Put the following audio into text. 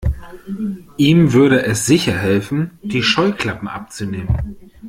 Ihm würde es sicher helfen, die Scheuklappen abzunehmen.